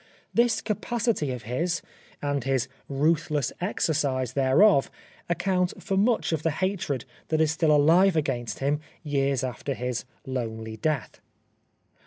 This capacity of his and his ruthless exercise thereof account for much of the hatred that is still ahve against him years after his lonely death.